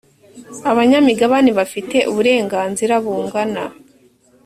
abanyamigabane bafite uburenganzira bungana.